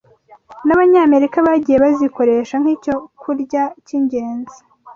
n’Abanyamerika bagiye bazikoresha nk’icyokurya cy’ingenzi